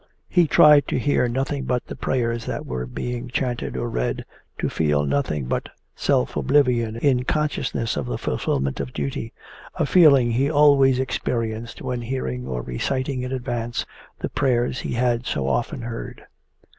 He tried to hear nothing but the prayers that were being chanted or read, to feel nothing but self oblivion in consciousness of the fulfilment of duty a feeling he always experienced when hearing or reciting in advance the prayers he had so often heard.